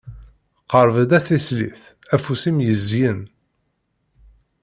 Qerb-d a tislit, afus-im yezyen.